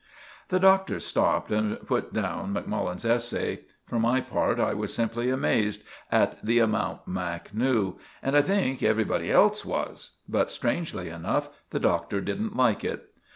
'" The Doctor stopped and put down Macmullen's essay. For my part, I was simply amazed at the amount Mac. knew, and I think everybody else was; but, strangely enough, the Doctor didn't like it.